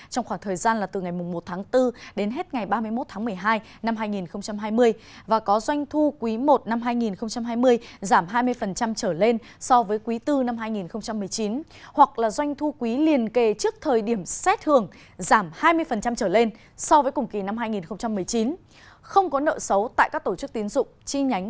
trong khoảng thời gian từ ngày một tháng bốn đến hết ngày ba